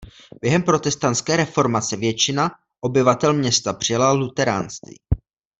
Během protestantské reformace většina obyvatel města přijala luteránství.